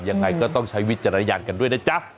ยังไงก็ต้องใช้วิจารณญาณกันด้วยนะจ๊ะ